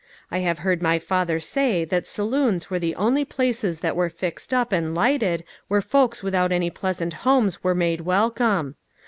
I have heard my father say that saloons were the only places that were fixed up, and lighted, where folks without any pleasant homes were made welcome.